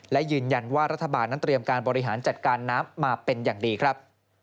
และยืนยันว่ารัฐบาลนั้นเตรียมการบริหารจัดการน้ำมาเป็นอย่างดีครับ